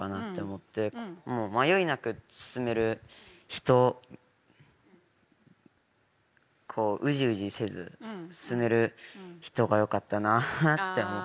もう迷いなく進める人こううじうじせず進める人がよかったなあって思って書きました。